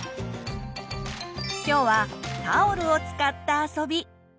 今日はタオルを使った遊び。